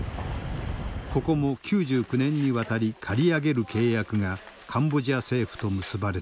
ここも９９年にわたり借り上げる契約がカンボジア政府と結ばれている。